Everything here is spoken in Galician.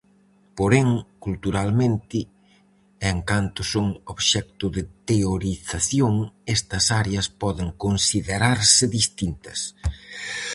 Porén, culturalmente, e en canto son obxecto de teorización, estas áreas poden considerarse distintas.